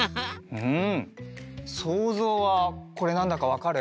うんそうぞうはこれなんだかわかる？